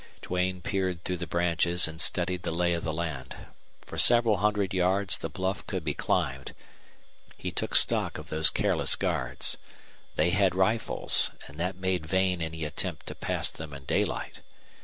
Duane peered through the branches and studied the lay of the land. For several hundred yards the bluff could be climbed. He took stock of those careless guards. They had rifles, and that made vain any attempt to pass them in daylight.